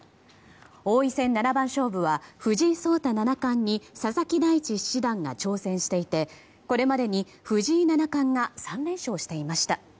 王位戦七番勝負は藤井聡太七冠に佐々木大地七段が挑戦していてこれまでに藤井七冠が３連勝していました。